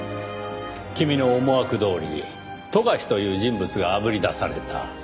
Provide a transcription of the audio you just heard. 君の思惑どおりに冨樫という人物があぶり出された。